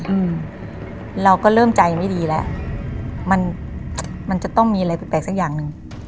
อืมเราก็เริ่มใจไม่ดีแล้วมันมันจะต้องมีอะไรแปลกแปลกสักอย่างหนึ่ง